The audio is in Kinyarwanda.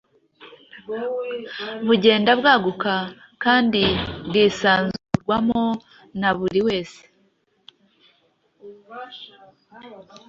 bugenda bwaguka kandi bwisanzurwamo na buri wese.